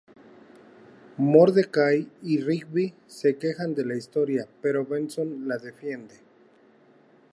Mordecai y Rigby se quejan de la historia, pero Benson la defiende.